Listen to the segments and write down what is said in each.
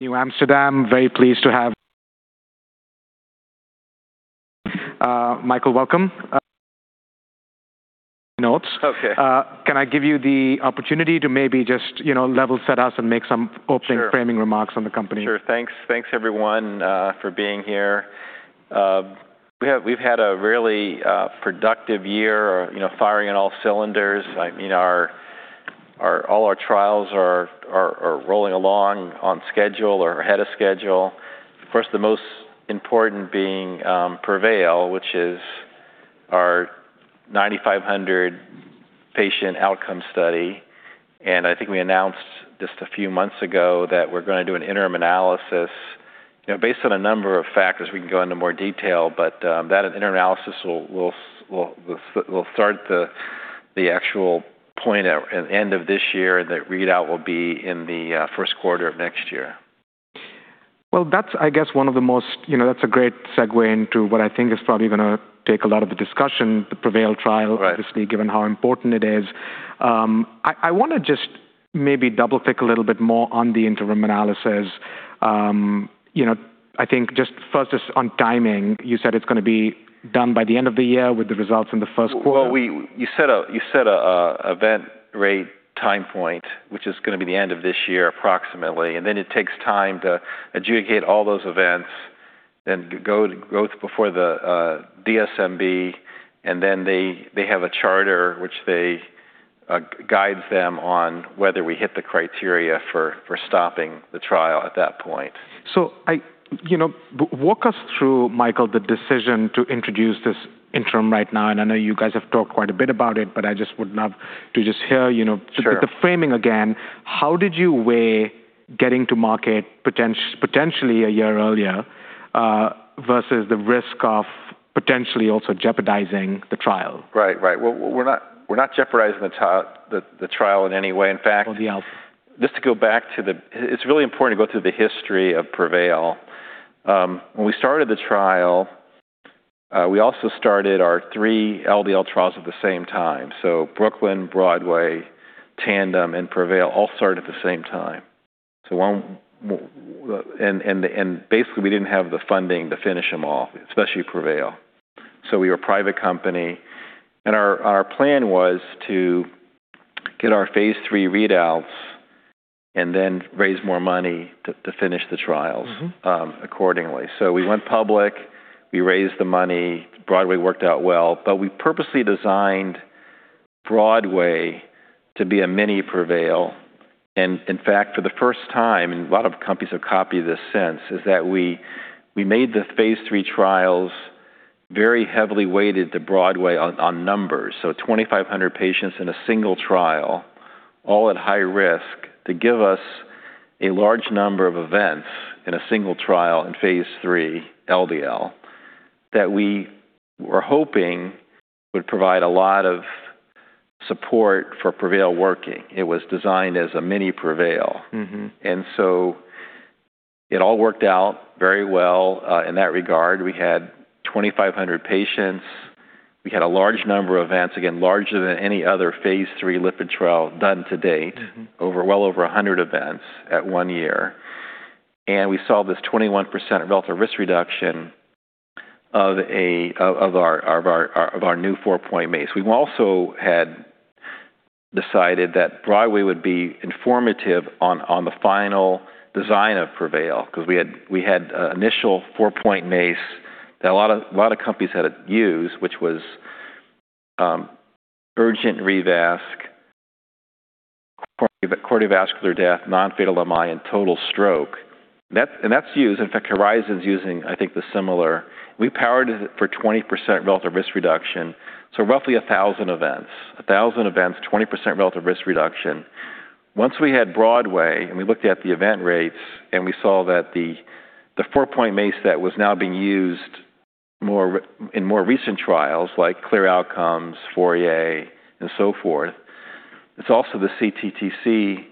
New Amsterdam. Very pleased to have Michael, welcome. Okay. Can I give you the opportunity to maybe just level set us and make some opening- Sure framing remarks on the company. Sure. Thanks, everyone, for being here. We've had a really productive year, firing on all cylinders. All our trials are rolling along on schedule or ahead of schedule. Of course, the most important being PREVAIL, which is our 9,500-patient outcome study. I think we announced just a few months ago that we're going to do an interim analysis. Based on a number of factors, we can go into more detail, but that interim analysis will start the actual point at end of this year, and the readout will be in the first quarter of next year. Well, that's a great segue into what I think is probably going to take a lot of the discussion, the PREVAIL trial. Right Obviously, given how important it is. I want to just maybe double-click a little bit more on the interim analysis. I think just first on timing, you said it's going to be done by the end of the year with the results in the first quarter. Well, you set a event rate time point, which is going to be the end of this year, approximately, and then it takes time to adjudicate all those events, then go before the DSMB, and then they have a charter which guides them on whether we hit the criteria for stopping the trial at that point. Walk us through, Michael, the decision to introduce this interim right now, and I know you guys have talked quite a bit about it, but I just would love to just hear. Sure the framing again. How did you weigh getting to market potentially a year earlier, versus the risk of potentially also jeopardizing the trial? Right. Well, we're not jeopardizing the trial in any way. In fact- the out- Just to go back, it's really important to go through the history of PREVAIL. When we started the trial, we also started our three LDL trials at the same time. Brooklyn, BROADWAY, TANDEM, and PREVAIL all started at the same time. Basically, we didn't have the funding to finish them off, especially PREVAIL. We were a private company, and our plan was to get our phase III readouts and then raise more money to finish the trials- accordingly. We went public. We raised the money. Broadway worked out well, but we purposely designed Broadway to be a mini PREVAIL. In fact, for the first time, a lot of companies have copied this since, we made the phase III trials very heavily weighted to Broadway on numbers. 2,500 patients in a single trial, all at high risk, to give us a large number of events in a single trial in phase III LDL that we were hoping would provide a lot of support for PREVAIL working. It was designed as a mini PREVAIL. It all worked out very well in that regard. We had 2,500 patients. We had a large number of events, again, larger than any other phase III lipid trial done to date. well over 100 events at one year. We saw this 21% relative risk reduction of our new four-point MACE. We also had decided that Broadway would be informative on the final design of PREVAIL, because we had initial four-point MACE that a lot of companies had used, which was urgent revasc, cardiovascular death, nonfatal MI, and total stroke. That's used. In fact, HORIZON using, I think, the similar. We powered it for 20% relative risk reduction, so roughly 1,000 events. 1,000 events, 20% relative risk reduction. Once we had Broadway, we looked at the event rates, we saw that the four-point MACE that was now being used in more recent trials, like CLEAR Outcomes, FOURIER, and so forth. It's also the CTTC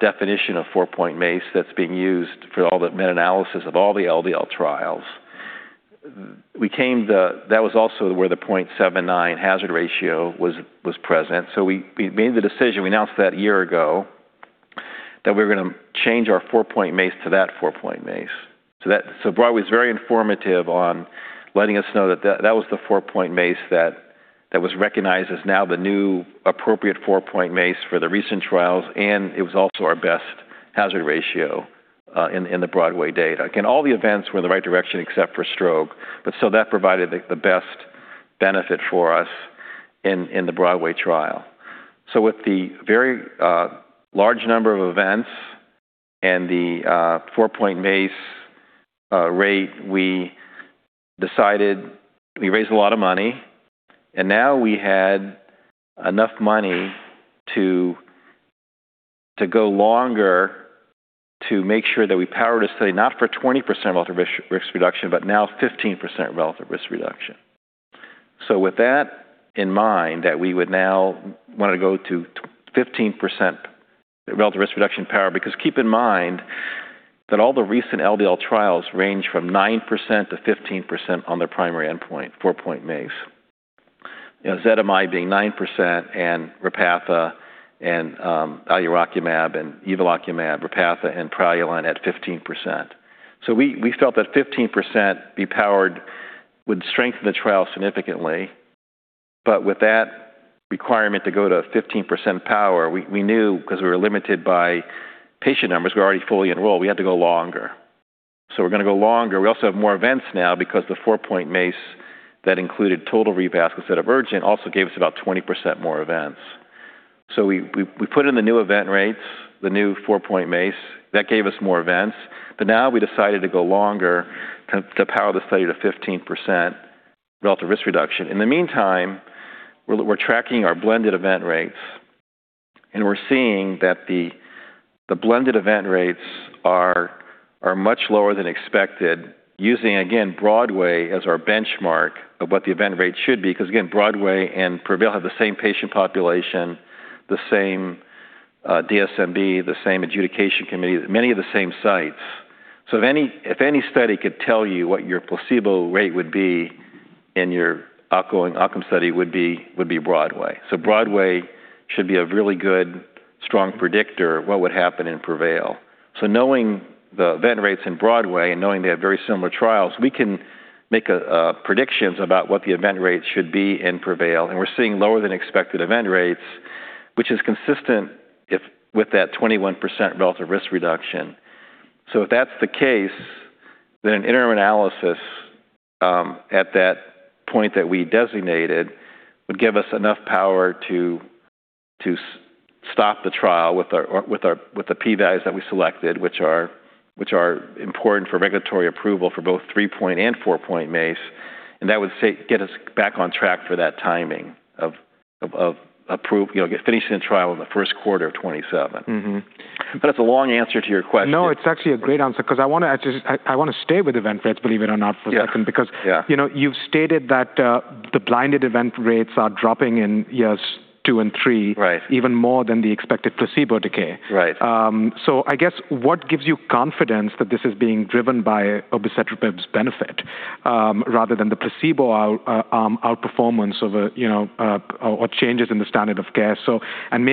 definition of four-point MACE that's being used for all the meta-analysis of all the LDL trials. That was also where the 0.79 hazard ratio was present. We made the decision, we announced that a year ago, that we were going to change our four-point MACE to that four-point MACE. Broadway's very informative on letting us know that that was the four-point MACE that was recognized as now the new appropriate four-point MACE for the recent trials, it was also our best hazard ratio in the Broadway data. Again, all the events were in the right direction except for stroke, that provided the best benefit for us in the Broadway trial. With the very large number of events and the four-point MACE rate, we raised a lot of money, now we had enough money to go longer to make sure that we powered a study not for 20% relative risk reduction, but now 15% relative risk reduction. With that in mind, that we would now want to go to 15% relative risk reduction power, because keep in mind that all the recent LDL trials range from 9%-15% on their primary endpoint, four-point MACE. Zetia being 9%, Repatha, alirocumab, and evolocumab, Repatha and Praluent at 15%. We felt that 15% be powered would strengthen the trial significantly. With that requirement to go to 15% power, we knew because we were limited by patient numbers, we were already fully enrolled, we had to go longer. We're going to go longer. We also have more events now because the four-point MACE that included total revasc instead of urgent also gave us about 20% more events. We put in the new event rates, the new four-point MACE. That gave us more events. Now we decided to go longer to power the study to 15% relative risk reduction. In the meantime, we're tracking our blended event rates, and we're seeing that the blended event rates are much lower than expected, using, again, BROADWAY as our benchmark of what the event rate should be. Because, again, BROADWAY and PREVAIL have the same patient population, the same DSMB, the same adjudication committee, many of the same sites. If any study could tell you what your placebo rate would be in your outcome study, would be BROADWAY. BROADWAY should be a really good, strong predictor of what would happen in PREVAIL. Knowing the event rates in BROADWAY and knowing they have very similar trials, we can make predictions about what the event rates should be in PREVAIL, and we're seeing lower than expected event rates, which is consistent with that 21% relative risk reduction. If that's the case, then an interim analysis at that point that we designated would give us enough power to stop the trial with the P values that we selected, which are important for regulatory approval for both three-point and four-point MACE. That would get us back on track for that timing of finishing the trial in the first quarter of 2027. It's a long answer to your question. No, it's actually a great answer because I want to stay with event rates, believe it or not, for a second. Yeah. You've stated that the blinded event rates are dropping in years two and three. Right Even more than the expected placebo decay. Right. I guess what gives you confidence that this is being driven by obicetrapib's benefit rather than the placebo outperformance or changes in the standard of care?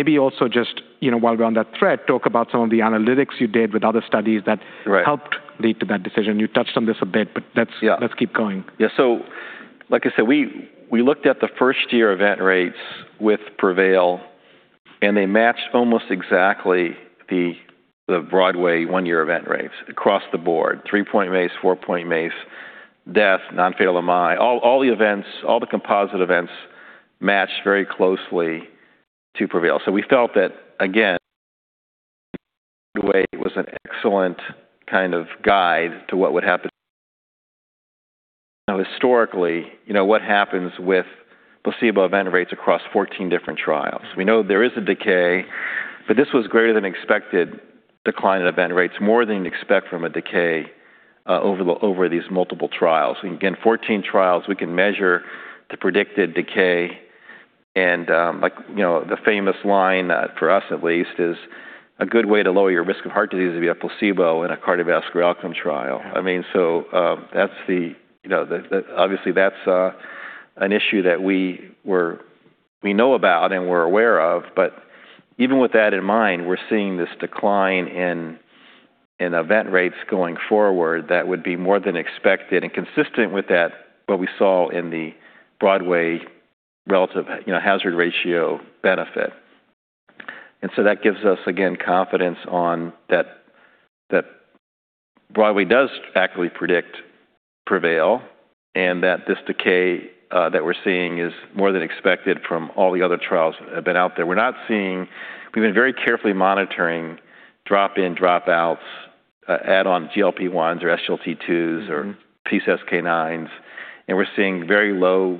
Maybe also just while we're on that thread, talk about some of the analytics you did with other studies that. Right helped lead to that decision. You touched on this a bit, but. Yeah let's keep going. Yeah. Like I said, we looked at the first-year event rates with PREVAIL, and they matched almost exactly the BROADWAY one-year event rates across the board. three-point MACE, four-point MACE, death, non-fatal MI, all the composite events matched very closely to PREVAIL. We felt that, again, BROADWAY was an excellent kind of guide to what would happen. Now, historically what happens with placebo event rates across 14 different trials? We know there is a decay, but this was greater than expected decline in event rates, more than you'd expect from a decay over these multiple trials. Again, 14 trials, we can measure the predicted decay and the famous line, for us at least, is, "A good way to lower your risk of heart disease is to be a placebo in a cardiovascular outcomes trial. Yeah. Obviously, that's an issue that we know about and we're aware of. Even with that in mind, we're seeing this decline in event rates going forward that would be more than expected and consistent with what we saw in the BROADWAY relative hazard ratio benefit. That gives us, again, confidence that BROADWAY does accurately predict PREVAIL and that this decay that we're seeing is more than expected from all the other trials that have been out there. We've been very carefully monitoring drop-in, drop-outs, add-on GLP-1s or SGLT2s or PCSK9s, and we're seeing very low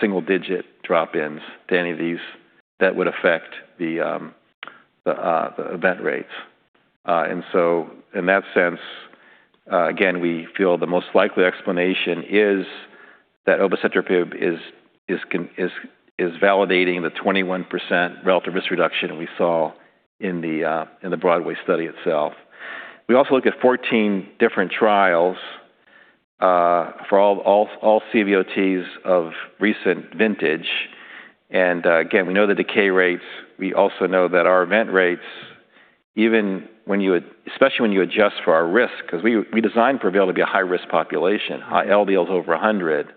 single-digit drop-ins to any of these that would affect the event rates. In that sense, again, we feel the most likely explanation is that obicetrapib is validating the 21% relative risk reduction we saw in the BROADWAY study itself. We also looked at 14 different trials for all CVOTs of recent vintage. Again, we know the decay rates. We also know that our event rates, especially when you adjust for our risk, because we designed PREVAIL to be a high-risk population. High LDL is over 100.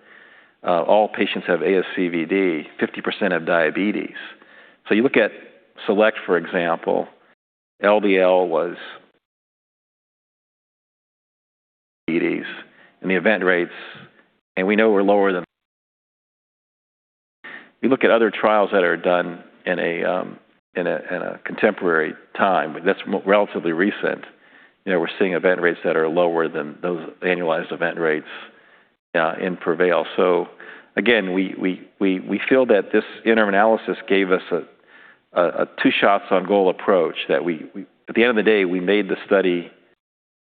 All patients have ASCVD, 50% have diabetes. You look at SELECT, for example. LDL was diabetes and the event rates, and we know we're lower than. You look at other trials that are done in a contemporary time, that's relatively recent. We're seeing event rates that are lower than those annualized event rates in PREVAIL. Again, we feel that this interim analysis gave us a two shots on goal approach that at the end of the day, we made the study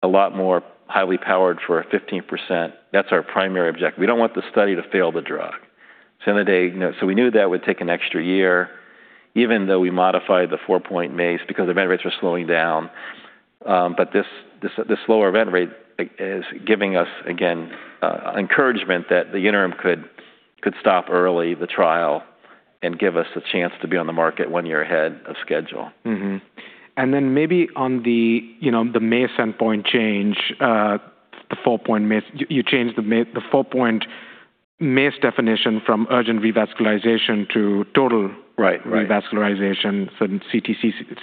a lot more highly powered for a 15%. That's our primary objective. We don't want the study to fail the drug. We knew that would take an extra year. Even though we modified the four-point MACE because event rates were slowing down. This lower event rate is giving us, again, encouragement that the interim could stop early the trial and give us a chance to be on the market 1 year ahead of schedule. Then maybe on the MACE endpoint change, the four-point MACE. You changed the four-point MACE definition from urgent revascularization to total- Right revascularization.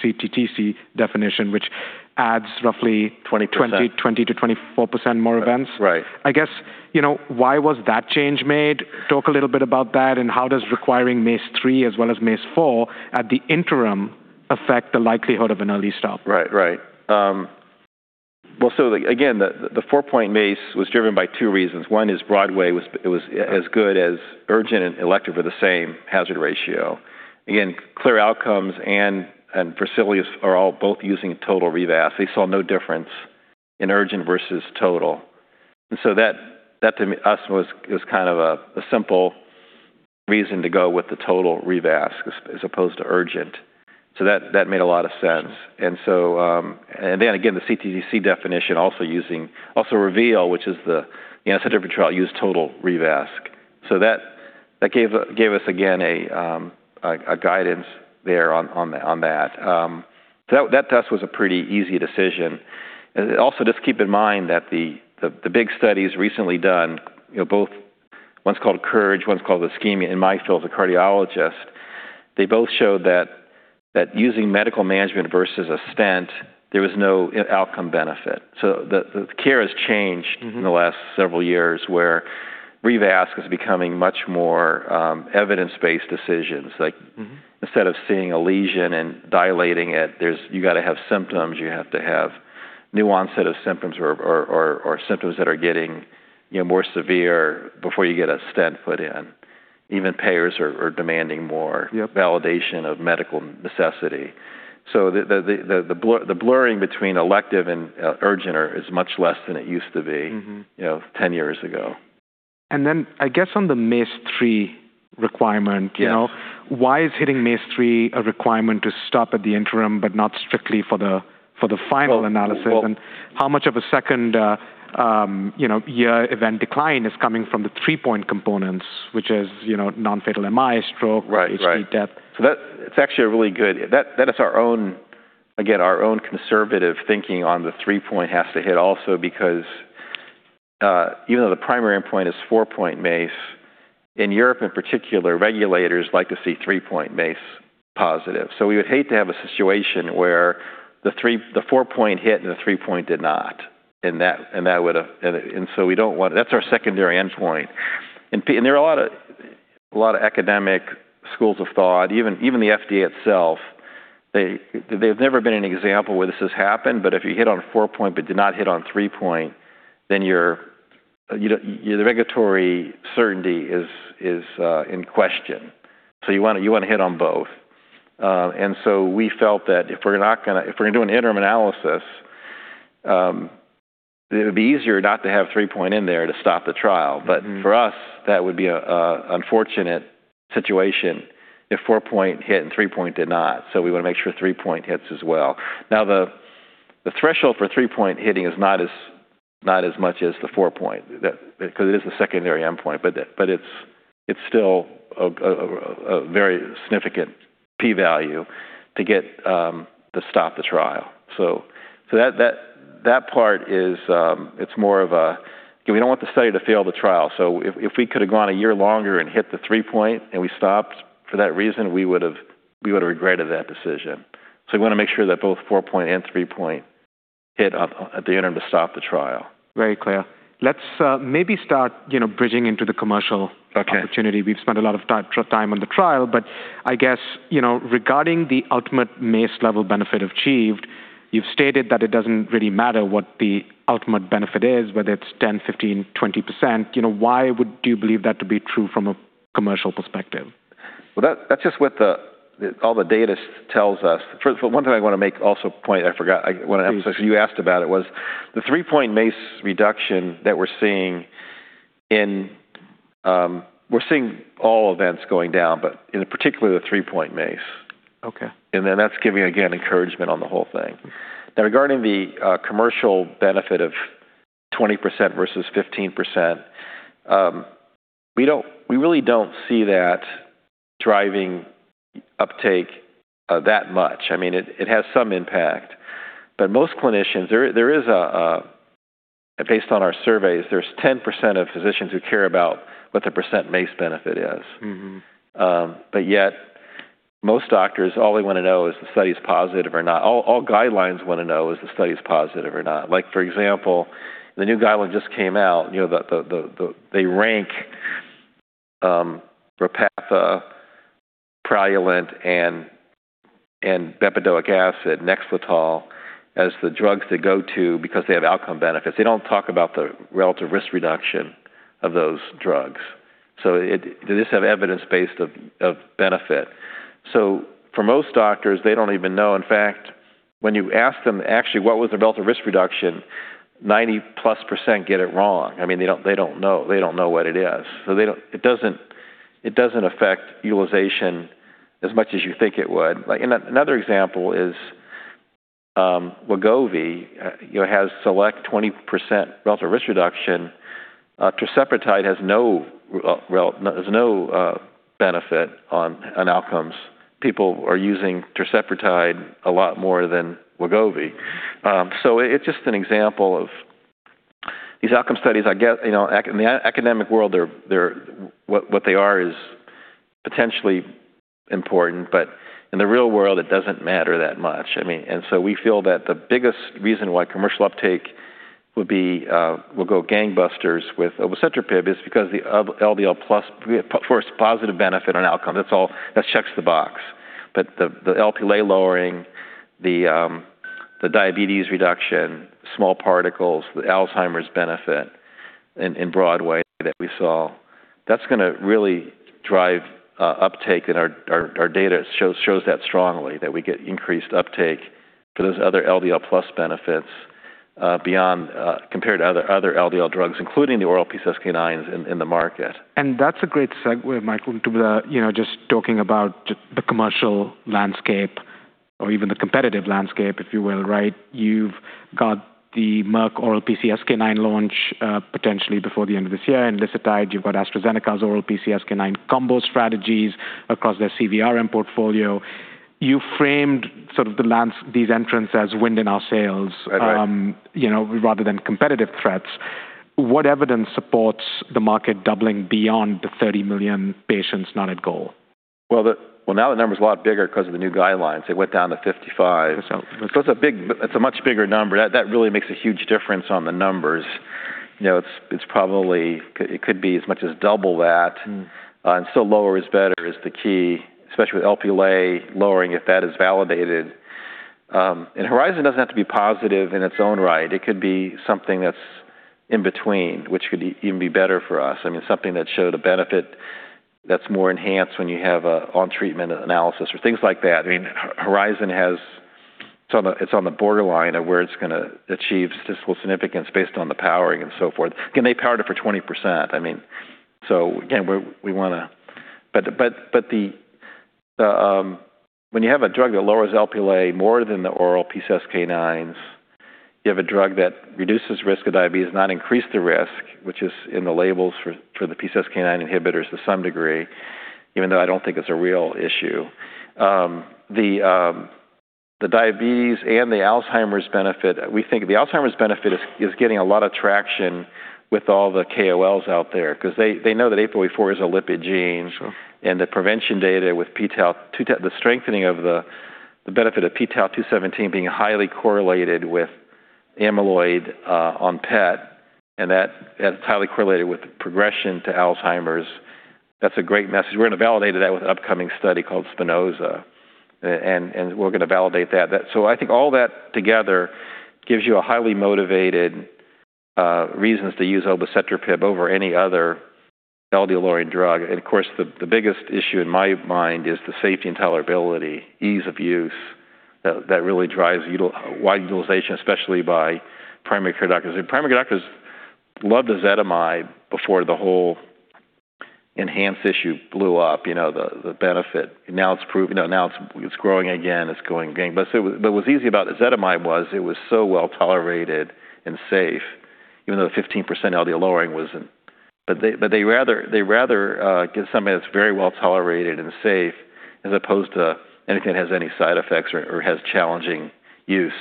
CTTC definition, which adds roughly- 20% 20%-24% more events. Right. I guess, why was that change made? Talk a little bit about that. How does requiring MACE three as well as MACE four at the interim affect the likelihood of an early stop? Right. Well, again, the four-point MACE was driven by two reasons. One is BROADWAY it was as good as urgent and elective are the same hazard ratio. Again, CLEAR Outcomes and FOURIER are all both using total revasc. They saw no difference in urgent versus total. That to us was kind of a simple reason to go with the total revasc as opposed to urgent. That made a lot of sense. Then again, the CTTC definition also using also REVEAL, which is the center for trial use total revasc. That gave us again a guidance there on that. That to us was a pretty easy decision. Also just keep in mind that the big studies recently done, both one's called COURAGE, one's called ISCHEMIA. In my field, as a cardiologist, they both showed that using medical management versus a stent, there was no outcome benefit. The care has changed- in the last several years where revasc is becoming much more evidence-based decisions. Like instead of seeing a lesion and dilating it, you got to have symptoms, you have to have new onset of symptoms or symptoms that are getting more severe before you get a stent put in. Even payers are demanding more. Yep The blurring between elective and urgent is much less than it used to be. 10 years ago. I guess on the MACE three requirement. Yes Why is hitting three-point MACE a requirement to stop at the interim, but not strictly for the final analysis? How much of a second-year event decline is coming from the three-point components, which is non-fatal MI, stroke, Right CV death. That is our own conservative thinking on the three-point has to hit also because even though the primary endpoint is four-point MACE, in Europe in particular, regulators like to see three-point MACE positive. We would hate to have a situation where the four-point hit and the three-point did not. We don't want that. That's our secondary endpoint. There are a lot of academic schools of thought, even the FDA itself, there's never been an example where this has happened, but if you hit on a four-point but did not hit on three-point, then your regulatory certainty is in question. You want to hit on both. We felt that if we're going to do an interim analysis, it would be easier not to have three-point in there to stop the trial. For us, that would be an unfortunate situation if four-point hit and three-point did not. We want to make sure three-point hits as well. The threshold for three-point hitting is not as much as the four-point because it is a secondary endpoint. It's still a very significant P value to stop the trial. That part, it's more of a, we don't want the study to fail the trial. If we could have gone a year longer and hit the three-point and we stopped for that reason, we would've regretted that decision. We want to make sure that both four-point and three-point hit at the interim to stop the trial. Very clear. Let's maybe start bridging into the commercial- Okay opportunity. We've spent a lot of time on the trial, but I guess regarding the ultimate MACE-level benefit achieved, you've stated that it doesn't really matter what the ultimate benefit is, whether it's 10%, 15%, 20%. Why would you believe that to be true from a commercial perspective? Well, that's just what all the data tells us. One thing I want to make also a point I forgot. I want to emphasize- Please you asked about it was the three-point MACE reduction that we're seeing in. We're seeing all events going down, but in particular, the three-point MACE. Okay. That's giving, again, encouragement on the whole thing. Regarding the commercial benefit of 20% versus 15%, we really don't see that driving uptake that much. I mean, it has some impact. Most clinicians, based on our surveys, there's 10% of physicians who care about what the percent MACE benefit is. Most doctors, all they want to know is the study's positive or not. All guidelines want to know is the study's positive or not. For example, the new guideline just came out. They rank Repatha, Praluent, and bempedoic acid, Nexletol, as the drugs to go to because they have outcome benefits. They don't talk about the relative risk reduction of those drugs. They just have evidence based of benefit. For most doctors, they don't even know. In fact, when you ask them actually what was the relative risk reduction. 90+% get it wrong. They don't know what it is. It doesn't affect utilization as much as you think it would. Another example is Wegovy has SELECT 20% relative risk reduction. Tirzepatide has no benefit on outcomes. People are using tirzepatide a lot more than Wegovy. It's just an example of these outcome studies, in the academic world, what they are is potentially important, but in the real world, it doesn't matter that much. We feel that the biggest reason why commercial uptake will go gangbusters with obicetrapib is because the LDL plus forced positive benefit on outcome. That checks the box. The Lp(a) lowering, the diabetes reduction, small particles, the Alzheimer's benefit in BROADWAY that we saw, that's going to really drive uptake in our data. It shows that strongly, that we get increased uptake for those other LDL plus benefits compared to other LDL drugs, including the oral PCSK9s in the market. That's a great segue, Michael, to just talking about the commercial landscape or even the competitive landscape, if you will. You've got the Merck oral PCSK9 launch potentially before the end of this year. Lerodalcibep, you've got AstraZeneca's oral PCSK9 combo strategies across their CVRM portfolio. You framed sort of these entrants as wind in our sails. Right Rather than competitive threats. What evidence supports the market doubling beyond the 30 million patients not at goal? Well, now the number's a lot bigger because of the new guidelines. It went down to 55. It's a much bigger number. That really makes a huge difference on the numbers. It could be as much as double that. Lower is better is the key, especially with Lp(a) lowering, if that is validated. HORIZON doesn't have to be positive in its own right. It could be something that's in between, which could even be better for us. Something that showed a benefit that's more ENHANCE when you have an on-treatment analysis or things like that. HORIZON, it's on the borderline of where it's going to achieve statistical significance based on the powering and so forth. Again, they powered it for 20%. When you have a drug that lowers Lp(a) more than the oral PCSK9s, you have a drug that reduces risk of diabetes, not increase the risk, which is in the labels for the PCSK9 inhibitors to some degree, even though I don't think it's a real issue. The diabetes and the Alzheimer's benefit, we think the Alzheimer's benefit is getting a lot of traction with all the KOLs out there because they know that APOE4 is a lipid gene, and the prevention data with p-tau, the strengthening of the benefit of p-tau 217 being highly correlated with amyloid on PET, and that's highly correlated with progression to Alzheimer's. That's a great message. We're going to validate that with an upcoming study called SPINOZA, we're going to validate that. I think all that together gives you highly motivated reasons to use obicetrapib over any other LDL-lowering drug. Of course, the biggest issue in my mind is the safety and tolerability, ease of use that really drives wide utilization, especially by primary care doctors. Primary care doctors loved the ezetimibe before the whole ENHANCE issue blew up, the benefit. Now it's growing again. It's going again. What's easy about the ezetimibe was it was so well-tolerated and safe, even though the 15% LDL lowering wasn't. They rather get something that's very well-tolerated and safe, as opposed to anything that has any side effects or has challenging use.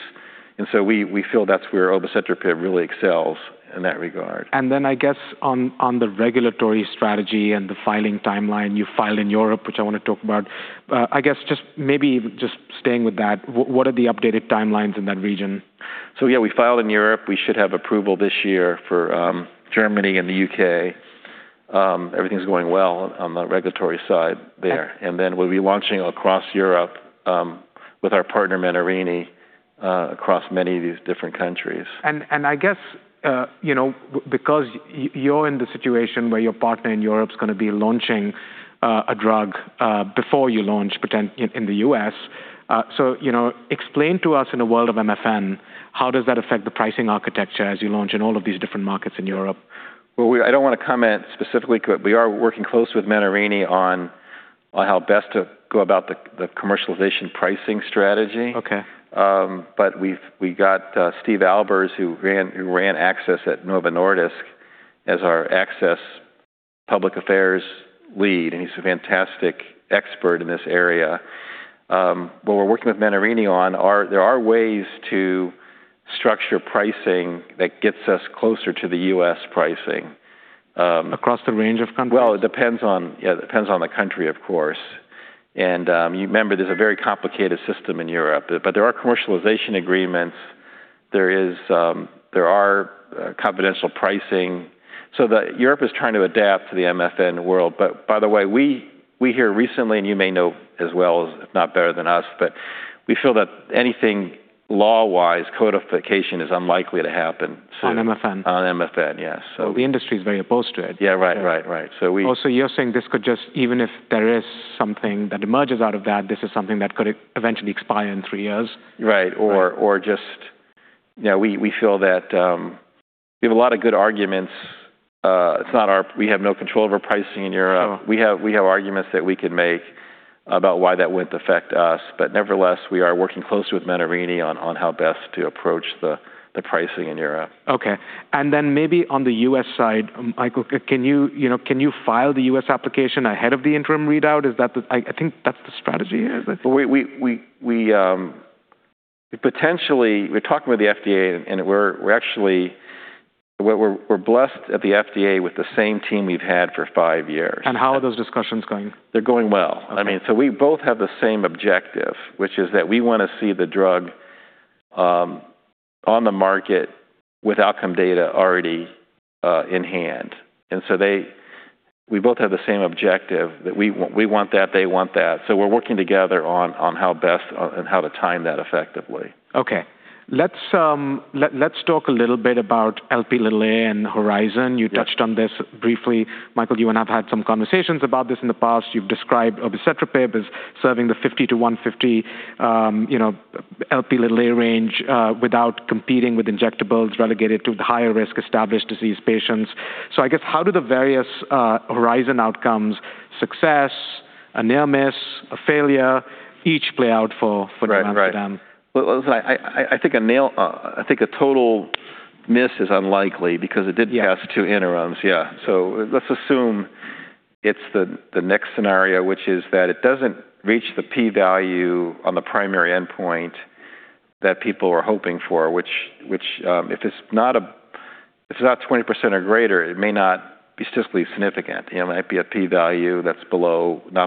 We feel that's where obicetrapib really excels in that regard. I guess on the regulatory strategy and the filing timeline, you filed in Europe, which I want to talk about. I guess maybe just staying with that, what are the updated timelines in that region? Yeah, we filed in Europe. We should have approval this year for Germany and the U.K. Everything's going well on the regulatory side there. We'll be launching across Europe with our partner, Menarini, across many of these different countries. I guess because you're in the situation where your partner in Europe's going to be launching a drug before you launch in the U.S., explain to us in a world of MFN, how does that affect the pricing architecture as you launch in all of these different markets in Europe? I don't want to comment specifically. We are working close with Menarini on how best to go about the commercialization pricing strategy. Okay. We got Steve Albers, who ran access at Novo Nordisk, as our access public affairs lead, and he's a fantastic expert in this area. We're working with Menarini on, there are ways to structure pricing that gets us closer to the U.S. pricing. Across the range of countries? Well, it depends on the country, of course. You remember, there's a very complicated system in Europe, but there are commercialization agreements. There are confidential pricing. Europe is trying to adapt to the MFN world. By the way, we hear recently, and you may know as well as if not better than us, but we feel that anything law-wise, codification is unlikely to happen soon. On MFN? On MFN, yes. The industry is very opposed to it. Yeah. Right. Oh, you're saying even if there is something that emerges out of that, this is something that could eventually expire in three years? Right. We feel that we have a lot of good arguments. We have no control over pricing in Europe. Sure. We have arguments that we could make about why that wouldn't affect us. Nevertheless, we are working closely with Menarini on how best to approach the pricing in Europe. Okay. Then maybe on the U.S. side, Michael, can you file the U.S. application ahead of the interim readout? I think that's the strategy here, is it? We're talking with the FDA. We're blessed at the FDA with the same team we've had for five years. How are those discussions going? They're going well. Okay. We both have the same objective, which is that we want to see the drug on the market with outcome data already in hand. We both have the same objective. We want that, they want that. We're working together on how best and how to time that effectively. Okay. Let's talk a little bit about Lp and HORIZON. Yeah. You touched on this briefly. Michael, you and I have had some conversations about this in the past. You've described obicetrapib as serving the 50- 150 Lp range without competing with injectables relegated to the higher-risk established disease patients. I guess, how do the various HORIZON outcomes, success, a near miss, a failure, each play out for Amsterdam? Right. Listen, I think a total miss is unlikely because it did. Yeah pass two interims. Yeah. Let's assume it's the next scenario, which is that it doesn't reach the P value on the primary endpoint that people are hoping for, which if it's not 20% or greater, it may not be statistically significant. It might be a P value that's not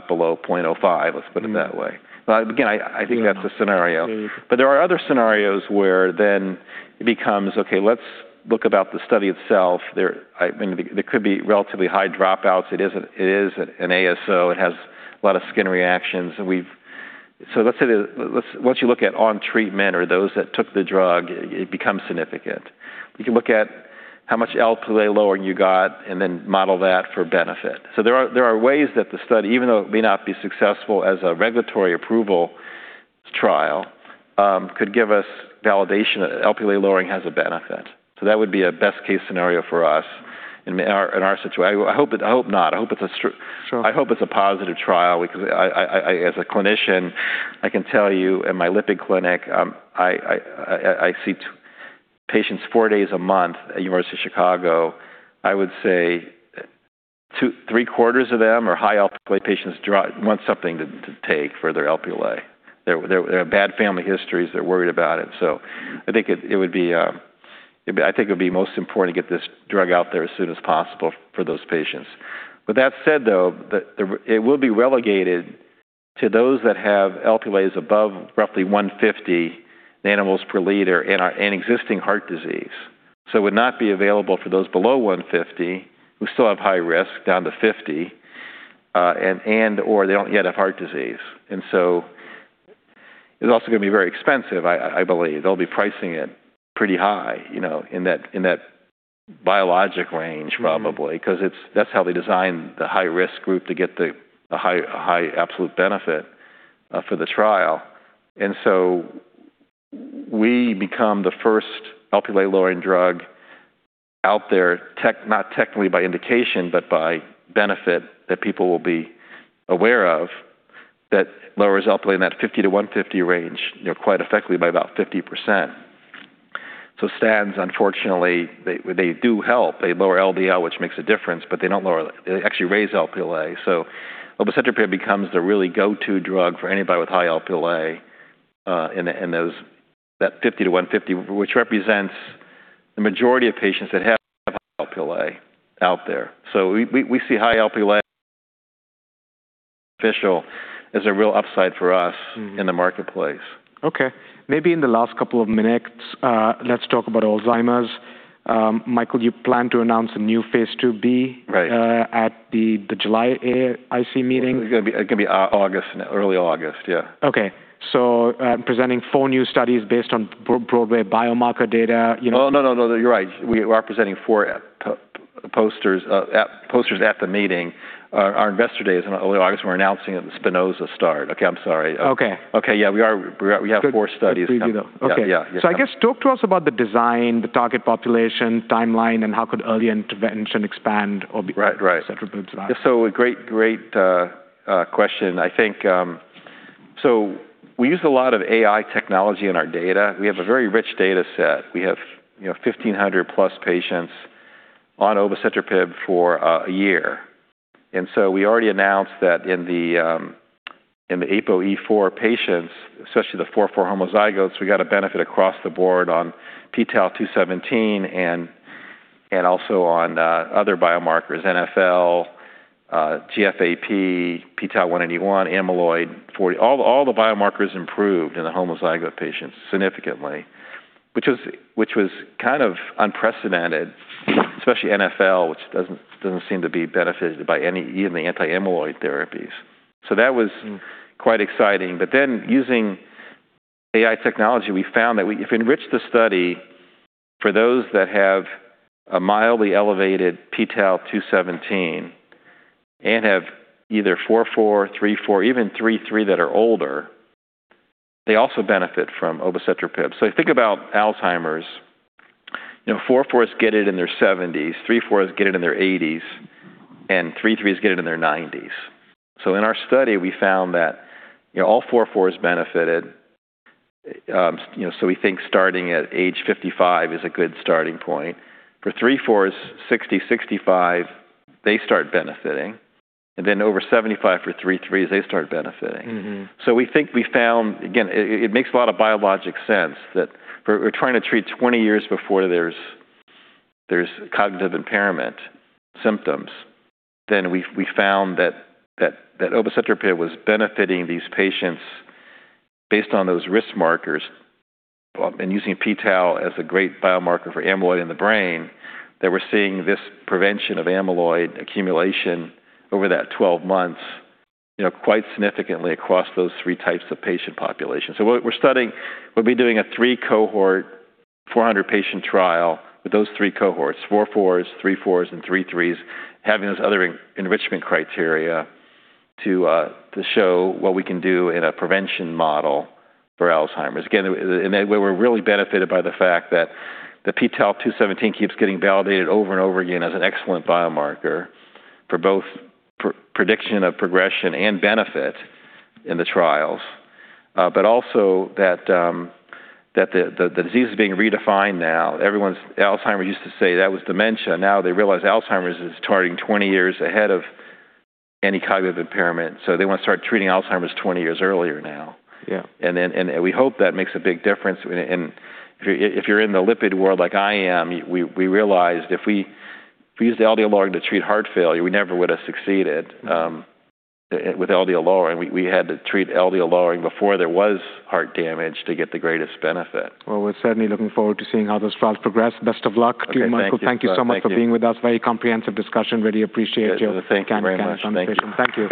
below 0.05, let's put it that way. Again, I think that's a scenario. There are other scenarios where then it becomes, okay, let's look about the study itself. There could be relatively high dropouts. It is an ASO. It has a lot of skin reactions. Let's say once you look at on treatment or those that took the drug, it becomes significant. You can look at how much Lp lowering you got and then model that for benefit. There are ways that the study, even though it may not be successful as a regulatory approval trial could give us validation that Lp lowering has a benefit. That would be a best-case scenario for us in our situation. I hope not. I hope it's a. Sure positive trial because as a clinician, I can tell you in my lipid clinic, I see patients four days a month at University of Chicago. I would say three-quarters of them are high Lp(a) patients want something to take for their Lp(a). They have bad family histories. They're worried about it. I think it would be most important to get this drug out there as soon as possible for those patients. With that said, though, it will be relegated to those that have Lp(a) above roughly 150 nanograms per liter and existing heart disease. It would not be available for those below 150, who still have high risk down to 50, and/or they don't yet have heart disease. It's also going to be very expensive, I believe. They'll be pricing it pretty high, in that biologic range probably. That's how they designed the high-risk group to get the high absolute benefit for the trial. We become the first Lp(a) lowering drug out there, not technically by indication, but by benefit that people will be aware of that lowers Lp(a) in that 50- 150 range quite effectively by about 50%. Statins, unfortunately, they do help. They lower LDL, which makes a difference, but they actually raise Lp(a). Obicetrapib becomes the really go-to drug for anybody with high Lp(a) in that 50 - 150, which represents the majority of patients that have high Lp(a) out there. We see high Lp(a) official as a real upside for us in the marketplace. Okay. Maybe in the last couple of minutes, let's talk about Alzheimer's. Michael, you plan to announce a new phase IIb- Right at the July AAIC meeting. It's going to be early August, yeah. Okay. Presenting four new studies based on biomarker data. Oh, no, you're right. We are presenting four posters at the meeting. Our Investor Day is in early August, and we're announcing that the Spinoza start. Okay, I'm sorry. Okay. Okay. Yeah, we have four studies coming. Good preview, though. Okay. Yeah. I guess talk to us about the design, the target population, timeline, and how could early intervention expand obicetrapib. A great question. We use a lot of AI technology in our data. We have a very rich data set. We have 1,500+ patients on obicetrapib for a year. We already announced that in the APOE4 patients, especially the 4-4 homozygotes, we got a benefit across the board on p-tau217 and also on other biomarkers, NfL, GFAP, p-tau181, amyloid-β 40. All the biomarkers improved in the homozygote patients significantly, which was kind of unprecedented, especially NfL, which doesn't seem to be benefited by even the anti-amyloid therapies. That was quite exciting. Using AI technology, we found that if we enrich the study for those that have a mildly elevated p-tau217 and have either 4/4, 3/4, even 3/3 that are older, they also benefit from obicetrapib. Think about Alzheimer's. 4/4s get it in their 70s, 3/4s get it in their 80s, and 3/3s get it in their 90s. In our study, we found that all 4/4s benefited. We think starting at age 55 is a good starting point. For 3/4s, 60, 65, they start benefiting. Over 75 for 3/3s, they start benefiting. We think we found, again, it makes a lot of biologic sense that we're trying to treat 20 years before there's cognitive impairment symptoms. We found that obicetrapib was benefiting these patients based on those risk markers, and using p-tau as a great biomarker for amyloid in the brain, that we're seeing this prevention of amyloid accumulation over that 12 months quite significantly across those three types of patient populations. What we're studying, we'll be doing a three cohort, 400-patient trial with those three cohorts, APOE4/APOE4s, APOE3/APOE4s, and APOE3/APOE3s, having those other enrichment criteria to show what we can do in a prevention model for Alzheimer's. Again, we're really benefited by the fact that the p-tau217 keeps getting validated over and over again as an excellent biomarker for both prediction of progression and benefit in the trials. Also that the disease is being redefined now. Everyone with Alzheimer used to say that was dementia. Now they realize Alzheimer's is starting 20 years ahead of any cognitive impairment. They want to start treating Alzheimer's 20 years earlier now. Yeah. We hope that makes a big difference. If you're in the lipid world like I am, we realized if we used LDL lowering to treat heart failure, we never would have succeeded with LDL lowering. We had to treat LDL lowering before there was heart damage to get the greatest benefit. Well, we're certainly looking forward to seeing how those trials progress. Best of luck to you, Michael. Okay, thank you. Thank you so much for being with us. Very comprehensive discussion. Really appreciate your- Yeah, thank you very much. time and translation. Thank you.